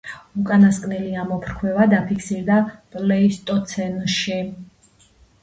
უკანასკნელი ამოფრქვევა დაფიქსირდა პლეისტოცენში.